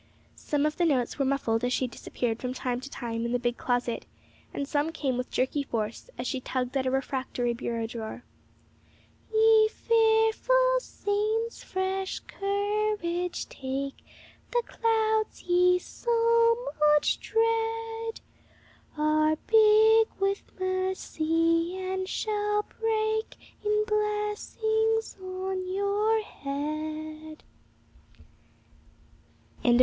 Some of the notes were muffled as she disappeared from time to time in the big closet, and some came with jerky force as she tugged at a refractory bureau drawer. "Ye fearful saints, fresh courage take, The clouds ye so much dread Are big with mercy, and shall break In blessings on your head." CHAPTER VIII. A KINDLING INTEREST.